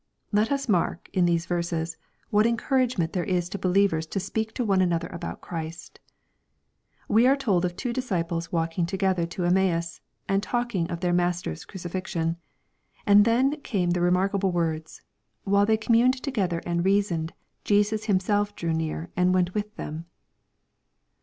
Let us mark, m these verses, what encouragement there is to believers to speak to one another about Christ, We are told of two disciples walking together to Emmaus, and talking of their Master's crucifixion. And then come the remarkable words, " While they communed together and reasoned, Jesus Himself drew near, and went with them."